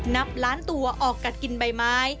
นับล้านตัวออกกัดกินใบไม้